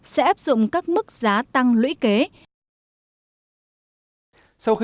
sẽ áp dụng các mức sử dụng đến bốn đồng một mét khối